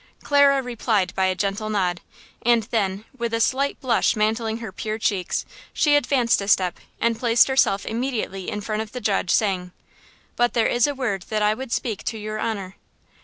Clara replied by a gentle nod, and then, with a slight blush mantling her pure cheeks she advanced a step and placed herself immediately in front of the judge, saying: "But there is a word that I would speak to your honor."